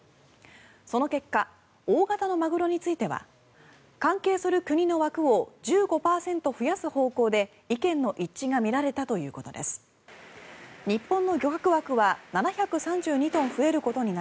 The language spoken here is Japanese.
その結果大型のマグロについては関係する国の枠を１５％増やす方向で意見の一致が見られたということです。